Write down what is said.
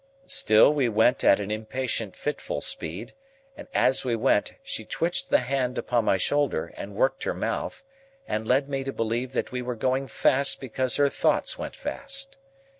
Still, we went at an impatient fitful speed, and as we went, she twitched the hand upon my shoulder, and worked her mouth, and led me to believe that we were going fast because her thoughts went fast.